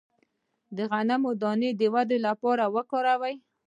د غنم دانه د ودې لپاره وکاروئ